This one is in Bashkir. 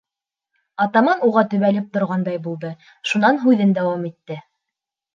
Атаман уға төбәлеп торғандай булды, шунан һүҙен дауам итте: